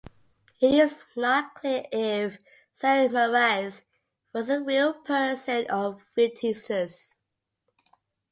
It is not clear if Sarie Marais was a real person or fictitious.